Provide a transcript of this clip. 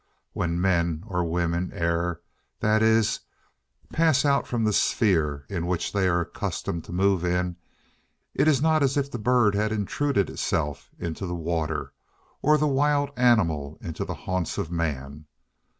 When men or women err—that is, pass out from the sphere in which they are accustomed to move—it is not as if the bird had intruded itself into the water, or the wild animal into the haunts of man.